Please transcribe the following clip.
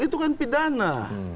itu kan pidana